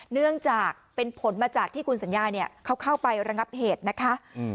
เนื่องจากเป็นผลมาจากที่คุณสัญญาเนี่ยเขาเข้าไประงับเหตุนะคะ